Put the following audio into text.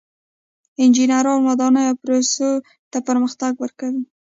انجینران ودانیو او پروسو ته پرمختګ ورکوي.